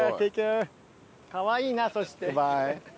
かわいいなそして。